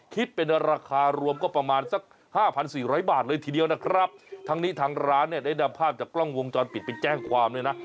คิดเป็นราคารวมก็ประมาณสักห้าพันสี่ร้อยบาทเลยทีเดียวนะครับทั้งนี้ทางร้านเนี่ยได้นำภาพจากกล้องวงจรปิดไปแจ้งความเลยนะ